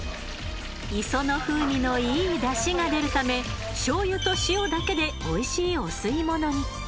磯の風味のいいだしが出るためしょうゆと塩だけでおいしいお吸い物に。